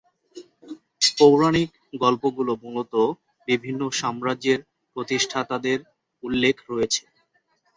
পৌরাণিক গল্পগুলো মূলত বিভিন্ন সাম্রাজ্যের প্রতিষ্ঠাতাদের উল্লেখ রয়েছে।